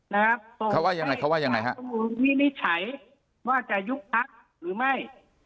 นะครับเขาว่ายังไงเขาว่ายังไงฮะนี่ไม่ใช้ว่าจะยุคภาคหรือไม่